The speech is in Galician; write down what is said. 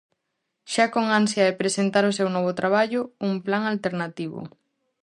Xa con ansia de presentar o seu novo traballo, "un plan alternativo".